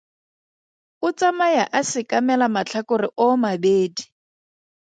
O tsamaya a sekamela matlhakore oomabedi.